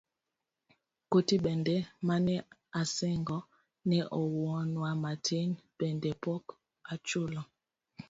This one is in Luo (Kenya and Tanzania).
Koti bende mane asingo ne wuonwa matin bende pok achulo.